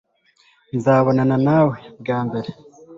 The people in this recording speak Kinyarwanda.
nzabonana nawe, bwa mbere